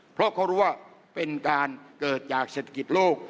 เพราะเขารู้ว่าเป็นการเกิดจากเศรษฐกิจโลก